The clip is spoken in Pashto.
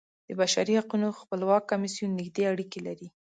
د بشري حقونو خپلواک کمیسیون نږدې اړیکې لري.